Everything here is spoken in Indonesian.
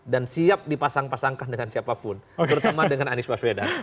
dan siap dipasang pasangkan dengan siapapun terutama dengan anies faswedan